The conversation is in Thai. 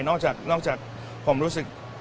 นอกจากผมรู้สึก